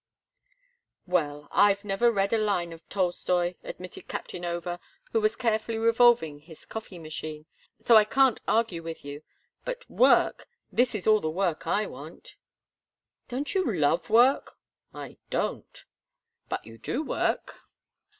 "Well, I've never read a line of Tolstoï," admitted Captain Over, who was carefully revolving his coffee machine, "so I can't argue with you. But work! This is all the work I want." "Don't you love work?" "I don't." "But you do work."